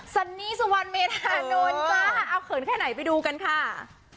สันนี่สุวรรณเมธานนท์จ้าเอาเขินแค่ไหนไปดูกันค่ะ